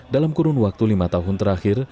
dalam kurun waktu lima tahun terakhir